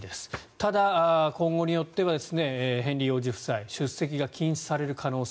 ただ、今後によってはヘンリー王子夫妻出席が禁止される可能性。